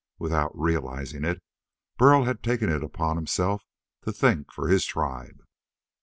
Without realizing it, Burl had taken it upon himself to think for his tribe.